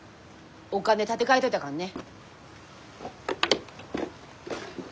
お金立て替えといたからね。